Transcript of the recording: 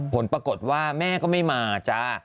ผลปรากฏว่าแม่ก็ไม่มาจ้า